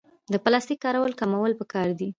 د پلاستیک کارول کمول پکار دي